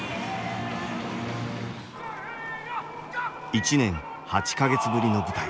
１年８か月ぶりの舞台。